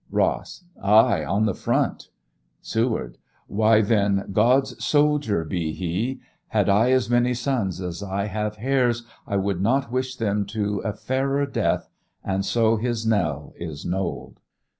Ross. Ay, on the front. Siw. Why, then, God's soldier be he! Had I as many sons as I have hairs, I would not wish them to a fairer death: And so his knell is knoll'd.